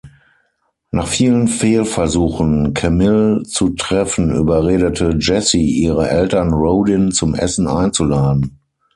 Nach vielen Fehlversuchen, Camille zu treffen, überredete Jessie ihre Eltern, Rodin zum Essen einzuladen.